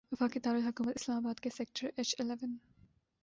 وفاقی دارالحکومت اسلام آباد کے سیکٹر ایچ الیون